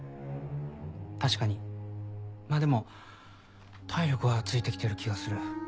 確かにまぁでも体力はついて来てる気がする。